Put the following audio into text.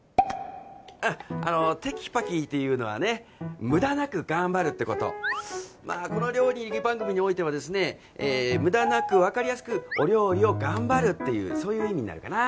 うんあのテキパキっていうのはねムダなく頑張るってことまあこの料理番組においてはですねムダなく分かりやすくお料理を頑張るっていうそういう意味になるかな？